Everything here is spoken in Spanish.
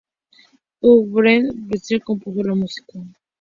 Uwe Fahrenkrog-Petersen compuso la música.